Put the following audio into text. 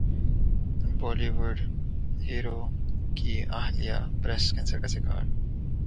بولی would hero کی اہلیہ بریسٹ کینسر کا شکار